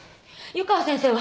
湯川先生は？